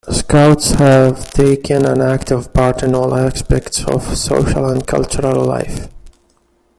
Scouts have taken an active part in all aspects of social and cultural life.